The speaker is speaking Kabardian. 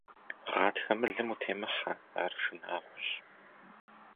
Гъатхэ мылым утемыхьэ, ар шынагъуэщ.